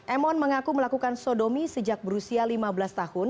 emon mengaku melakukan sodomi sejak berusia lima belas tahun